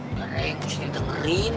nggak gue sendiri yang dengerin